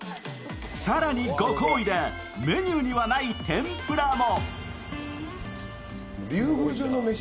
更にご厚意でメニューにはない天ぷらも。